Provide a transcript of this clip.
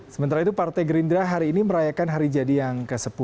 sementara itu partai gerindra hari ini merayakan hari jadi yang ke sepuluh